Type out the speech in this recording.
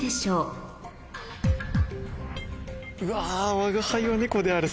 『吾輩は猫である』